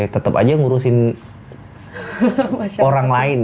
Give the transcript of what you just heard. tetep aja ngurusin orang lain ya